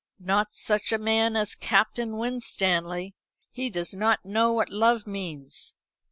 "Not such a man as Captain Winstanley. He does not know what love means.